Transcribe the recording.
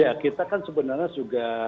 ya kita kan sebenarnya juga